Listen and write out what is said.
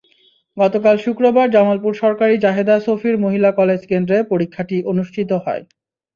গতকাল শুক্রবার জামালপুর সরকারি জাহেদা সফির মহিলা কলেজ কেন্দ্রে পরীক্ষাটি অনুষ্ঠিত হয়।